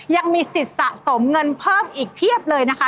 ยังมีสิทธิ์สะสมเงินเพิ่มอีกเพียบเลยนะคะ